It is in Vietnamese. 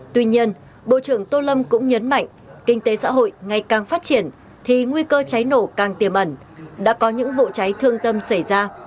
tuy nhiên bộ trưởng tô lâm cũng nhấn mạnh kinh tế xã hội ngày càng phát triển thì nguy cơ cháy nổ càng tiềm ẩn đã có những vụ cháy thương tâm xảy ra